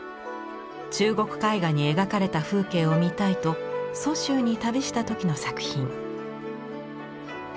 中国絵画に描かれた風景を見たいと蘇州に旅した時の作品。